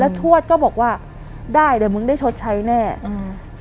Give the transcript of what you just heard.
ทวดก็บอกว่าได้เดี๋ยวมึงได้ชดใช้แน่อืม